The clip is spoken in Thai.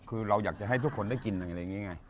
คือเราอยากจะให้ทุกคนได้กินอะไรอย่างนี้ไง